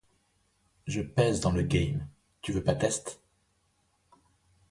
Je pèse dans le game, tu peux pas test.